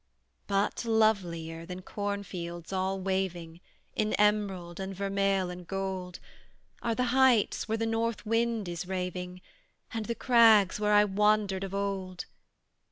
But lovelier than corn fields all waving In emerald, and vermeil, and gold, Are the heights where the north wind is raving, And the crags where I wandered of old.